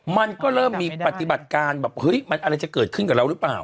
มันก็เริ่มมีปฏิบัติการแบบเฮ้ยมันอะไรจะเกิดขึ้นกับเราหรือเปล่า